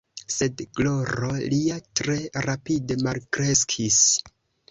Sed gloro lia tre rapide malkreskis.